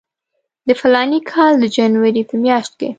د فلاني کال د جنوري په میاشت کې.